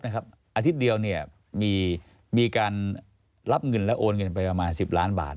อาทิตย์เดียวมีการรับเงินและโอนเงินไปประมาณ๑๐ล้านบาท